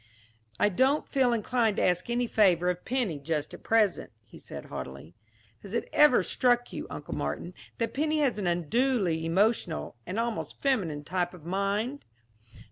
"I don't feel inclined to ask any favor of Penny just at present," he said haughtily. "Has it ever struck you, Uncle Martin, that Penny has an unduly emotional, an almost feminine type of mind?"